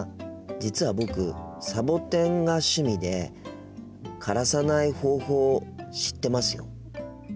実は僕サボテンが趣味で枯らさない方法知ってますよ。